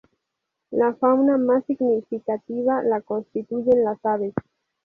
La fauna más significativa la constituyen las aves.